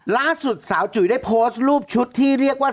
ล่าสุดสาวจุ๋ยได้โพสต์รูปชุดที่เรียกว่า